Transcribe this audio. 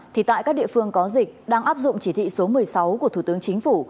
thì tại các địa phương có dịch đang áp dụng chỉ thị số một mươi sáu của thủ tướng chính phủ